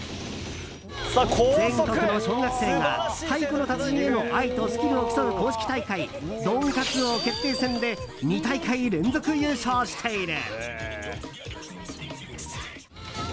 全国の小学生が「太鼓の達人」への愛とスキルを競う公式大会「ドンカツ王決定戦」で２大会連続優勝している。